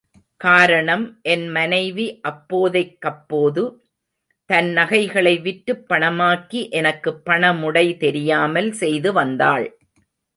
காரணம் என் மனைவி அப்போதைக்கப்போது தன் நகைகளை விற்றுப் பணமாக்கி எனக்குப் பணமுடை தெரியாமல் செய்து வந்தாள்.